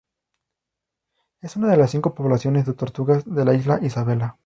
Es una de las cinco poblaciones de tortugas de la isla Isabela.